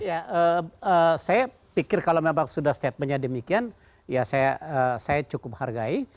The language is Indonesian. ya saya pikir kalau memang sudah statementnya demikian ya saya cukup hargai